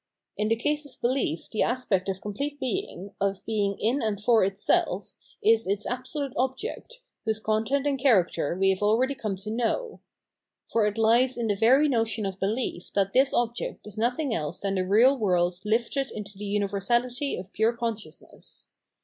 In the case of behef the aspect of complete being, of being in and for itself, is its absolute object, whose content and character we have already come to know. For it lies in the very notion of belief that this object is nothing else than the real world lifted into the uni versality of pure consciousness.